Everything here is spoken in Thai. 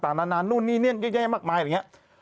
หลักฐานต่างนานนู่นนี่เยอะแยะมากมายอะไรอย่างนี้